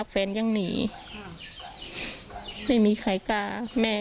กังฟูเปล่าใหญ่มา